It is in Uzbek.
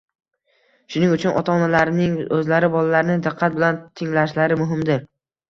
Shuning uchun ota-onalarning o‘zlari bolalarini diqqat bilan tinglashlari muhimdir.